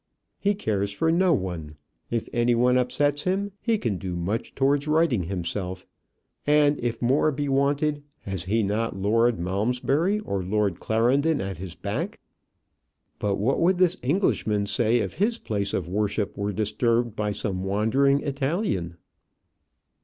He cares for no one. If any one upsets him, he can do much towards righting himself; and if more be wanted, has he not Lord Malmesbury or Lord Clarendon at his back? But what would this Englishman say if his place of worship were disturbed by some wandering Italian?